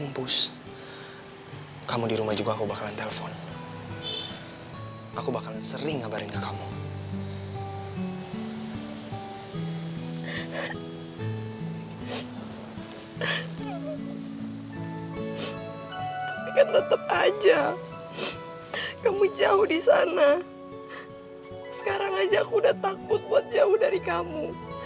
buat jauh dari kamu